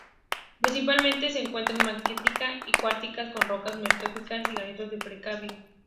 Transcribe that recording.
Principalmente se encuentran magnetita y cuarcitas, con rocas metamórficas y granitos del precámbrico.